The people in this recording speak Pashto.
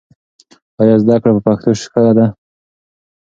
ایا زده کړه په پښتو ښه ده؟